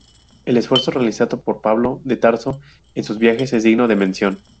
El esfuerzo realizado por Pablo de Tarso en sus viajes es digno de mención.